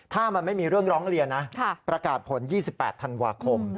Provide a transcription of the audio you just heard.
ถ้ามันไม่มีเรื่องร้องเรียนนะประกาศผล๒๘ธันวาคม